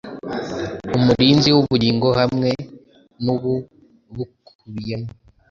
Umurinzi wubugingo hamwe nubu bukubiyemo